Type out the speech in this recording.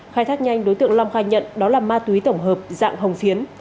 khai thác nhanh đối tượng long khai nhận đó là ma túy tổng hợp dạng hồng phiến